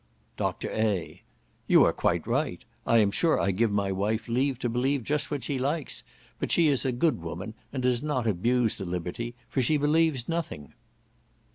Dr. A. "You are quite right. I am sure I give my wife leave to believe just what she likes; but she is a good woman, and does not abuse the liberty; for she believes nothing."